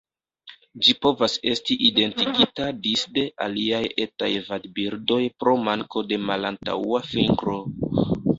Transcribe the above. Ĝi povas esti identigita disde aliaj etaj vadbirdoj pro manko de malantaŭa fingro.